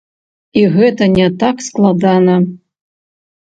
І гэта не так складана.